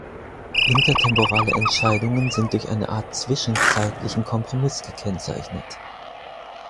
Intertemporale Entscheidungen sind durch eine Art zwischenzeitlichen Kompromiss gekennzeichnet.